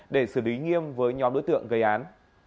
để xử lý nghiêm với nhóm đối tượng gây án